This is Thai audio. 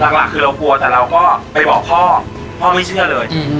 หลักคือเรากลัวแต่เราก็ไปบอกพ่อพ่อไม่เชื่อเลย